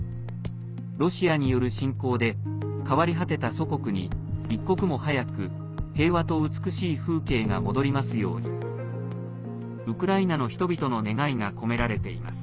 ロシアによる侵攻で変わり果てた祖国に一刻も早く、平和と美しい風景が戻りますようにウクライナの人々の願いが込められています。